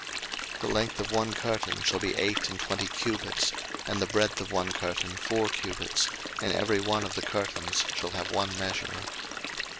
02:026:002 The length of one curtain shall be eight and twenty cubits, and the breadth of one curtain four cubits: and every one of the curtains shall have one measure.